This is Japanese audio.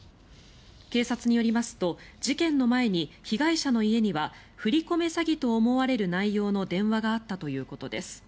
警察によりますと事件の前に被害者の家には振り込め詐欺と思われる内容の電話があったということです。